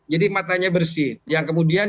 jadi matanya bersih yang kemudian